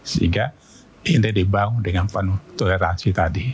sehingga ini dibangun dengan penuh toleransi tadi